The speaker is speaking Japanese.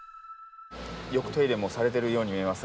よく手入れもされてるように見えますが。